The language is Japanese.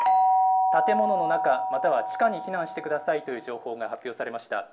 建物の中、または地下に避難してくださいという情報が発表されました。